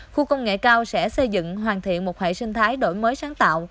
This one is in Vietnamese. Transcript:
khu công nghệ cao sẽ xây dựng hoàn thiện một hệ sinh thái đổi mới sáng tạo